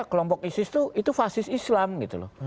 kelompok isis itu fasis islam gitu loh